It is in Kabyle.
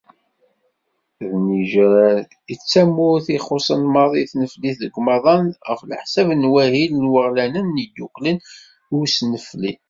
D Nnijer i d tamurt i txuṣṣ maḍi tneflit deg umaḍal ɣef leḥsab n Wahil n Waɣlanen yedduklen i Usnefli.